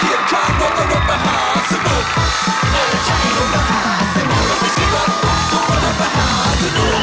สุดยอดโบราษมาหาสนุก